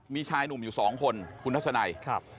มีชายหนุ่มอยู่สองคนคุณทัศนัย